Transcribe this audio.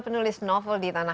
dua menulis adalah